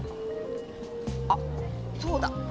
あっそうだ！